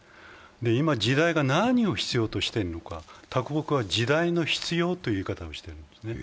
今、時代が何を必要としているのか啄木は他国化は時代の必要という言い方をしているんですね。